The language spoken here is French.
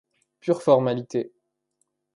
Pure formalité.